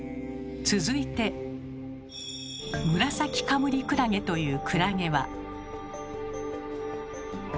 続いてムラサキカムリクラゲというクラゲは。